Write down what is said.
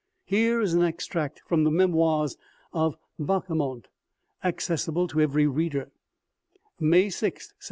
Here is an extract from the memoirs of Bachaumont, accessible to every reader :" May 6th, 1773.